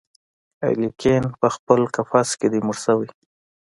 الیکین پخپل قفس کي دی مړ شوی